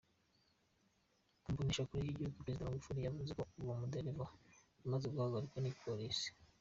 Ku mboneshakure y'igihugu, prezida Magufuli yavuze ko uwo mudereva yamaze guhagarikwa n'igipolisi.